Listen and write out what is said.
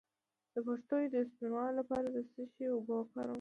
د پښو د سپینولو لپاره د څه شي اوبه وکاروم؟